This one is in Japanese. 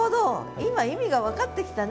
今意味が分かってきたね。